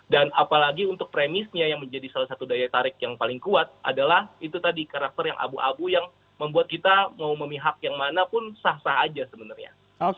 dan apalagi untuk premisnya yang menjadi salah satu daya tarik yang paling kuat adalah itu tadi karakter yang abu abu yang membuat kita mau memihak yang mana pun sah sah aja sebenarnya